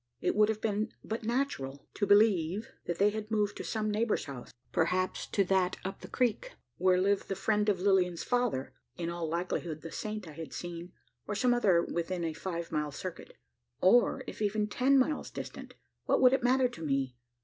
It would have been but natural to believe, that they had moved to some neighbour's house perhaps to that up the creek, where lived the "friend of Lilian's father" in all likelihood, the saint I had seen or some other within a five mile circuit. Or, if even ten miles distant, what would it matter to me?